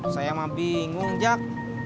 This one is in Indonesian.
saya mah bingung jak